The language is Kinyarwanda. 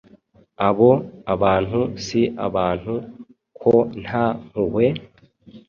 Abo abantu si abantu ko nta mpuhwe?.